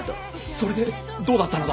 それでどうだったのだ。